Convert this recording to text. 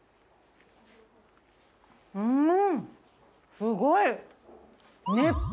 うん！